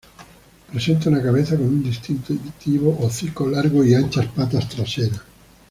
Presenta una cabeza con un distintivo hocico largo y anchas patas traseras.